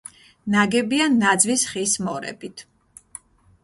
ნაგებია ნაძვის ხის მორებით.